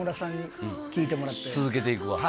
続けていくわ。